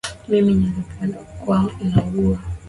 Mimi nilipoenda alikuwa anaugua